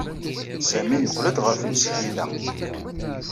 Sami yeqqel-d ɣer tmesgida.